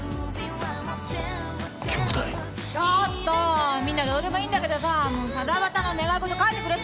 ちょっとみんなどうでもいいんだけどさもう七夕の願い事書いてくれた？